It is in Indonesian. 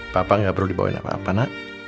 papa nggak perlu dibawain apa apa nak